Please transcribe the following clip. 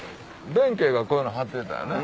弁慶がこういうの履いてたよね。